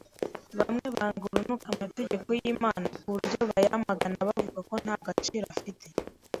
Bamwe banga urunuka amategeko y’Imana ku buryo bayamagana bavuga ko nta gaciro afite